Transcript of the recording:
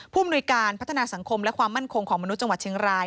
มนุยการพัฒนาสังคมและความมั่นคงของมนุษย์จังหวัดเชียงราย